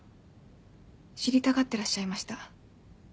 知りたがってらっしゃいました。